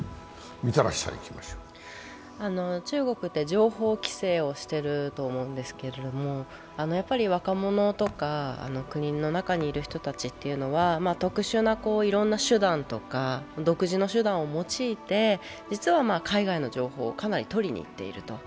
中国って情報規制をしていると思うんですけれども、やっぱり若者とか国の中にいる人たちというのは特殊ないろんな手段とか独自の手段を用いて実は海外の情報をかなり取りにいっていると。